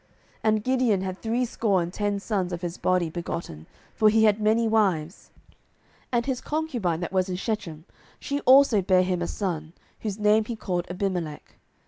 07:008:030 And Gideon had threescore and ten sons of his body begotten: for he had many wives. 07:008:031 And his concubine that was in Shechem, she also bare him a son, whose name he called Abimelech.